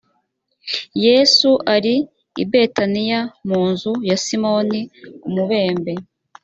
yesu ari i betaniya mu nzu ya simoni umubembe